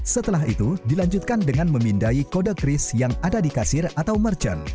setelah itu dilanjutkan dengan memindai kode kris yang ada di kasir atau merchant